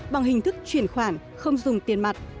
bằng hình thức chuyển khoản không dùng tiền mặt